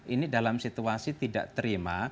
ini dalam situasi tidak terima